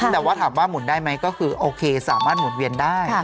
แต่ว่าถามว่าหมุนได้ไหมก็คือโอเคสามารถหมุนเวียนได้